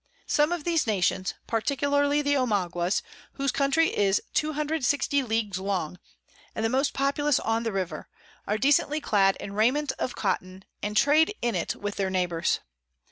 Some of these Nations, particularly the Omaguas, whose Country is 260 Leagues long, and the most populous on the River, are decently clad in Rayment of Cotton, and trade in it with their Neighbours.